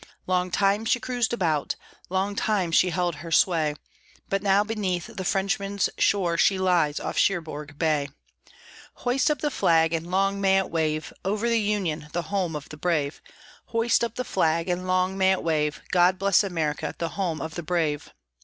Long time she cruised about, Long time she held her sway, But now beneath the Frenchman's shore she lies off Cherbourg Bay. Hoist up the flag, and long may it wave Over the Union, the home of the brave. Hoist up the flag, and long may it wave, God bless America, the home of the brave!